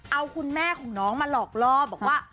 เอาคุณแม่ของน้องมาหลอกล่อบอกว่า